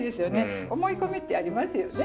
思い込みってありますよね。